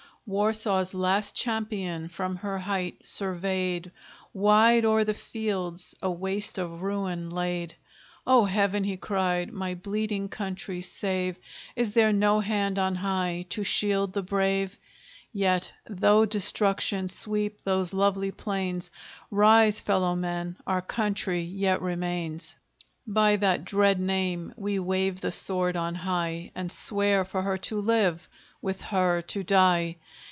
Warsaw's last champion from her height surveyed, Wide o'er the fields, a waste of ruin laid O Heaven! he cried, my bleeding country save! Is there no hand on high to shield the brave? Yet, though destruction sweep those lovely plains, Rise, fellow men! our country yet remains. By that dread name, we wave the sword on high, And swear for her to live! with her to die!